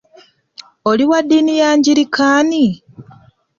Oli waddiini y'angirikaani?